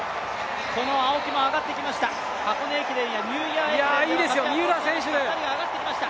この青木も上がってきました、箱根駅伝やニューイヤー駅伝で活躍しました。